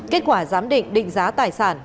kết quả giám định định giá tài sản